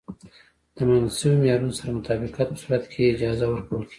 د منل شویو معیارونو سره مطابقت په صورت کې یې اجازه ورکول کېږي.